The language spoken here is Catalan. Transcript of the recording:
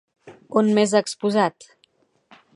On més ha exposat?